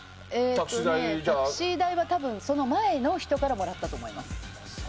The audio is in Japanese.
タクシー代はその前の人からもらったと思います。